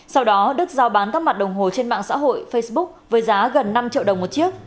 sau đó đức giao bán các mặt đồng hồ trên mạng xã hội facebook với giá gần năm triệu đồng một chiếc